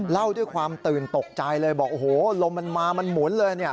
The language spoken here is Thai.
เล่าด้วยความตื่นตกใจเลยบอกโอ้โหลมมันมามันหมุนเลยเนี่ย